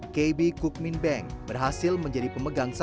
kb kukmin bank berhasil menjadi pemegang saham